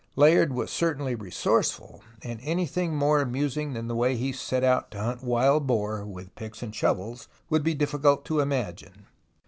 Layard was certainly resourceful, and anything more amusing than the way he set out to hunt wild boar with picks and shovels would be difficult to imagine.